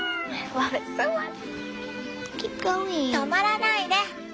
止まらないで。